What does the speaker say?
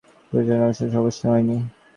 পুরোপুরি সেরকম অবশ্যি হয় নি।